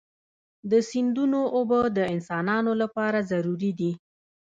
د سیندونو اوبه د انسانانو لپاره ضروري دي.